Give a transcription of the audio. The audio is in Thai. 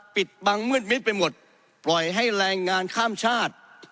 ปิดบังมืดมิดไปหมดปล่อยให้แรงงานข้ามชาติ